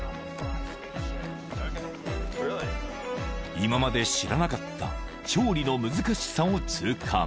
［今まで知らなかった調理の難しさを痛感］